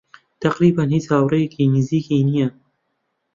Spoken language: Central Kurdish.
تەقریبەن هیچ هاوڕێیەکی نزیکی نییە.